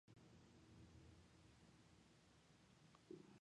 He lost to Chris Friedel in the Republican primary.